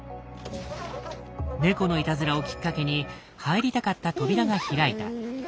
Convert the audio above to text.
猫のいたずらをきっかけに入りたかった扉が開いた。